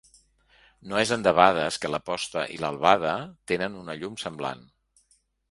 No és endebades que la posta i l’albada tenen una llum semblant.